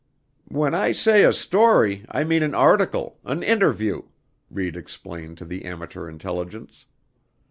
"When I say 'a story,' I mean an article an interview," Reid explained to the amateur intelligence.